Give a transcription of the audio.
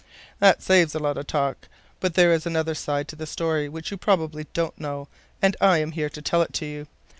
"That saves a lot of talk. But there is another side to the story which you probably don't know, and I am here to tell it to you.